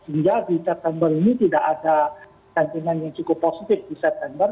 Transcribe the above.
sehingga di september ini tidak ada sentimen yang cukup positif di september